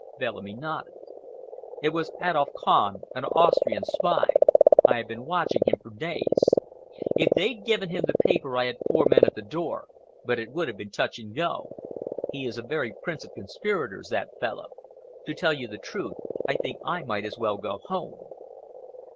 Bellamy nodded. "It was Adolf Kahn, an Austrian spy. I have been watching him for days. If they'd given him the paper I had four men at the door, but it would have been touch and go. He is a very prince of conspirators, that fellow. To tell you the truth, I think I might as well go home."